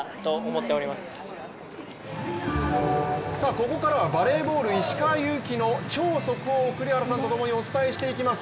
ここからはバレーボール石川祐希の超速報を栗原さんとともにお伝えしていきます。